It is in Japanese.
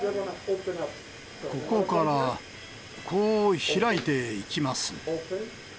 ここから、こう開いていきます。